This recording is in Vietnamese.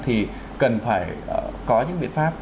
thì cần phải có những biện pháp